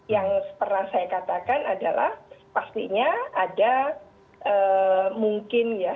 yang pernah saya katakan adalah pastinya ada mungkin ya